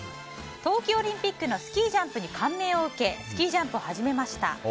冬季オリンピックのスキージャンプに感銘を受けスキージャンプを始めました。